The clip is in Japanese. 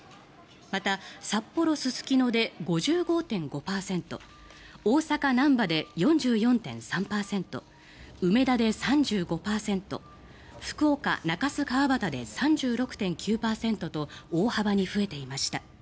また、札幌・すすきので５５．５％大阪・なんばで４４．３％梅田で３５％福岡・中洲川端で３６．９％と大幅に増えていました。